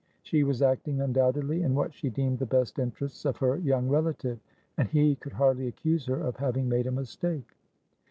She was acting, undoubtedly, in what she deemed the best interests of her young relativeand he could hardly accuse her of having made a mistake.